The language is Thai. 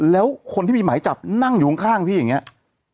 แล้วคนที่มีหมายจับนั่งอยู่ข้างพี่อย่างนี้